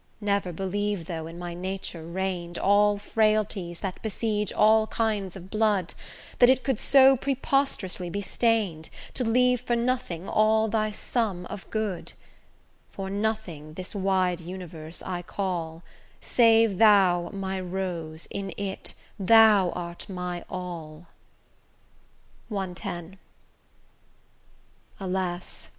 Never believe though in my nature reign'd, All frailties that besiege all kinds of blood, That it could so preposterously be stain'd, To leave for nothing all thy sum of good; For nothing this wide universe I call, Save thou, my rose, in it thou art my all. CX Alas!